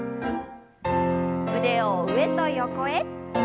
腕を上と横へ。